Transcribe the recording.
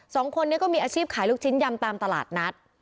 สองคนนี้ก็มีอาชีพขายลูกชิ้นยำตามตลาดนัด